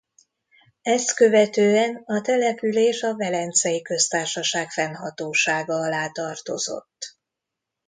Ezt követően a település a Velencei Köztársaság fennhatósága alá tartozott.